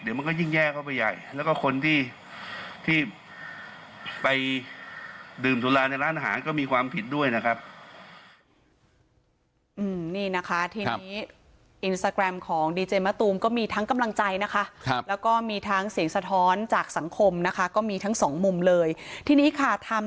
เดี๋ยวมันก็ยิ่งแย่เข้าไปใหญ่